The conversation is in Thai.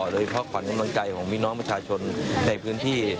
โดยเฉพาะขวัญกำลังใจของพี่น้องประชาชนในพื้นที่